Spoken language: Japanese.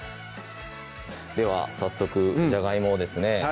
では早速じゃがいもをですね